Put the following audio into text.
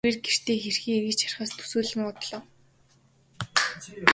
Тэрээр гэртээ хэрхэн эргэж харихаа төсөөлөн бодно.